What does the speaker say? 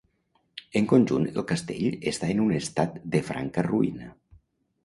En conjunt el castell està en un estat de franca ruïna.